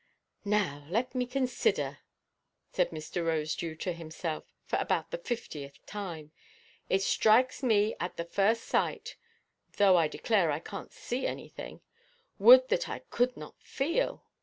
"Let me now consider," said Mr. Rosedew to himself, for about the fiftieth time; "it strikes me at the first sight—though I declare I canʼt see anything—would that I could not feel!